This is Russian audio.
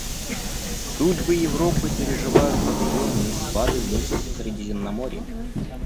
Судьбы Европы переживают подъемы и спады вместе со Средиземноморьем.